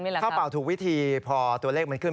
ถ้าเป่าถูกวิธีพอตัวเลขมันขึ้น